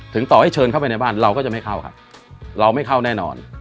ต่อให้เชิญเข้าไปในบ้านเราก็จะไม่เข้าครับเราไม่เข้าแน่นอน